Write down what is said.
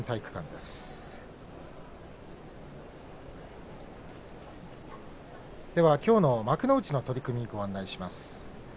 では、きょうの幕内の取組をご案内します。